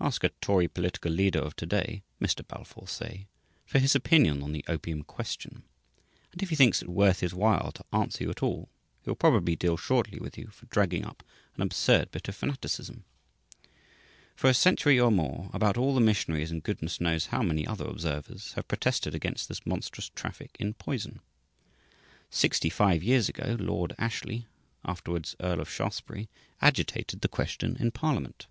Ask a Tory political leader of to day Mr. Balfour say for his opinion on the opium question, and if he thinks it worth his while to answer you at all he will probably deal shortly with you for dragging up an absurd bit of fanaticism. For a century or more, about all the missionaries, and goodness knows how many other observers, have protested against this monstrous traffic in poison. Sixty five years ago Lord Ashley (afterwards Earl of Shaftesbury) agitated the question in Parliament.